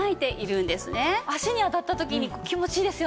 足に当たった時に気持ちいいですよね。